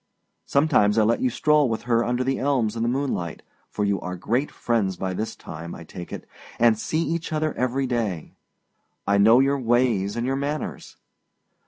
Sometimes I let you stroll with her under the elms in the moonlight, for you are great friends by this time, I take it, and see each other every day. I know your ways and your manners!